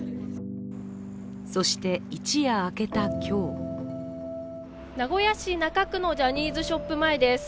そして、一夜明けた今日名古屋市中区のジャニーズショップ前です。